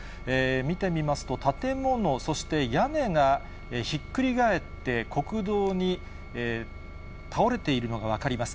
見てみますと、建物、そして屋根がひっくり返って、国道に倒れているのが分かります。